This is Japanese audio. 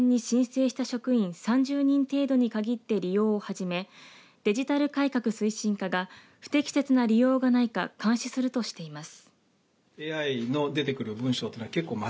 まずは事前に申請した職員３０人程度に限って利用を始めデジタル改革推進課が不適切な利用がないか監視するとしています。